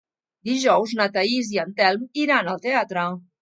Dijous na Thaís i en Telm iran al teatre.